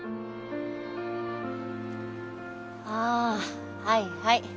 あはいはい。